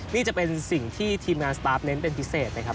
นี่จะเป็นสิ่งที่ทีมงานสตาร์ฟเน้นเป็นพิเศษนะครับ